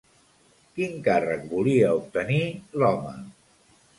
Quin càrrec volia obtenir l'home?